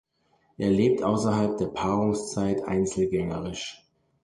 Er lebt außerhalb der Paarungszeit einzelgängerisch.